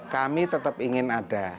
kami tetap ingin ada